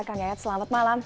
kang yayat selamat malam